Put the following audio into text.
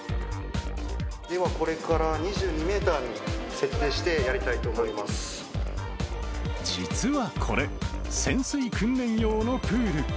ではこれから２２メートルに実はこれ、潜水訓練用のプール。